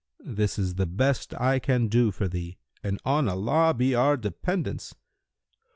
This is the best I can do for thee and on Allah be our dependence!